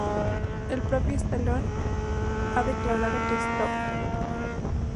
El propio Stallone ha declarado que "Stop!